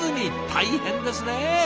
大変ですね。